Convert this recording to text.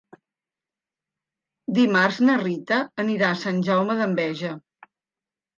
Dimarts na Rita anirà a Sant Jaume d'Enveja.